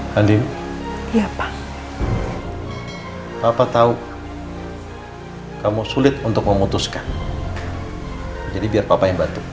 kau pulang ikut papa ya